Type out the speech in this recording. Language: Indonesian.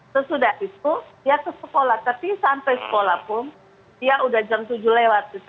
sesudah itu dia ke sekolah tapi sampai sekolah pun dia udah jam tujuh lewat